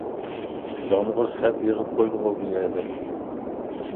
يامغۇر سەت يېغىپ قويدىغۇ بۇ يەردە.